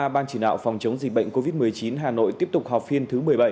ban chỉ đạo phòng chống dịch bệnh covid một mươi chín hà nội tiếp tục họp phiên thứ một mươi bảy